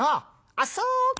あっそうか。